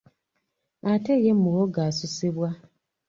Ate ye muwogo asusibwa.